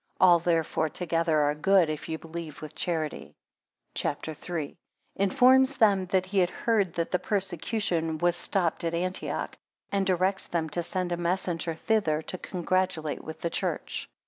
All therefore together are good, if ye believe with charity. CHAPTER III. Informs them he had heard that the persecution was stopped at Antioch: and directs them to send a messenger thither to congratulate with the church.